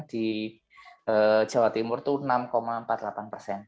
di jawa timur itu enam empat puluh delapan persen